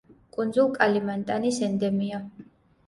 კუნძულ კალიმანტანის ენდემია.